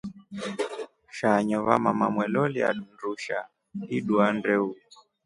Shanyo vamama mwelolia ndusha idua ndeu.